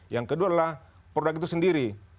yang kedua adalah produk itu sendiri